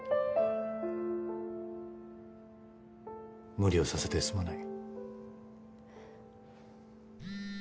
無理をさせてすまない。